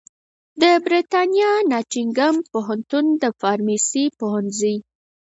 د برېتانیا ناټینګهم پوهنتون د فارمیسي پوهنځي